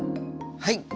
はい。